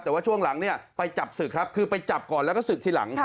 แต่ว่าช่วงหลังเนี่ยไปจับศึกครับคือไปจับก่อนแล้วก็ศึกทีหลัง